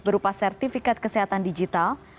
berupa sertifikat kesehatan digital